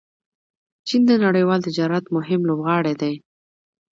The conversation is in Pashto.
چین د نړیوال تجارت مهم لوبغاړی دی.